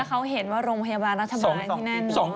เขาเห็นว่าโรงพยาบาลรัฐบาลที่นั่น